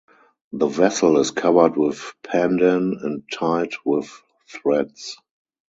The vessel is covered with pandan and tied with threads.